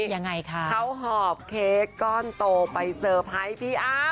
ยังไงคะเขาหอบเค้กก้อนโตไปเซอร์ไพรส์พี่อ้ำ